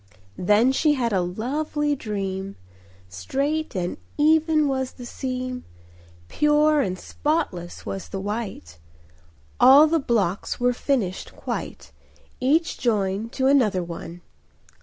Then she had a lovely dream; Straight and even was the seam, Pure and spotless was the white; All the blocks were finished quite— Each joined to another one.